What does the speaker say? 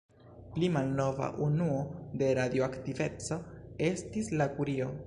Pli malnova unuo de radioaktiveco estis la kurio.